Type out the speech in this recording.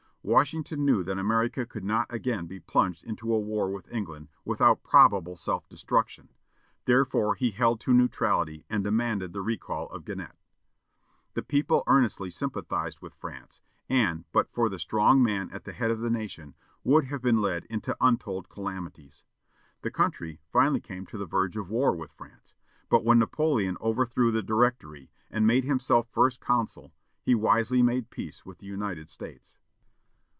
Washington knew that America could not be again plunged into a war with England without probable self destruction; therefore he held to neutrality, and demanded the recall of Genet. The people earnestly sympathized with France, and, but for the strong man at the head of the nation, would have been led into untold calamities. The country finally came to the verge of war with France, but when Napoleon overthrew the Directory, and made himself First Consul, he wisely made peace with the United States.